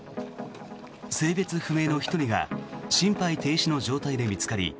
性別不明の１人が心肺停止の状態で見つかり